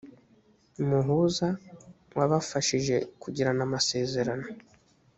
muhuza wabafashije kugirana amasezerano